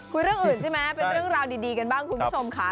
เรื่องอื่นใช่ไหมเป็นเรื่องราวดีกันบ้างคุณผู้ชมค่ะ